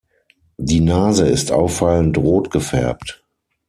Die Nase ist auffallend rot gefärbt.